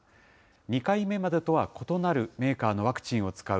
２回目までとは異なるメーカーのワクチンを使う